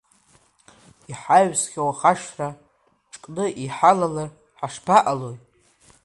Иҳаҩсхьоу ахашҭра ҿкны иҳалалар ҳашԥаҟалои?